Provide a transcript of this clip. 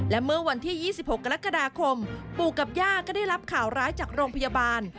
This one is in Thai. และเมื่อวันที่๒๖กรกฎาคมปู่กับย่าก็ได้รับข่าวร้ายจากโรงพยาบาล